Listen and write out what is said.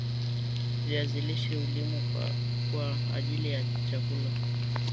viazi lishe hulimwa kwa ajili ya chakula